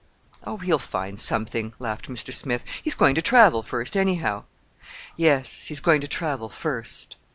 "Oh, he'll find something," laughed Mr. Smith. "He's going to travel, first, anyhow." "Yes, he's going to travel, first.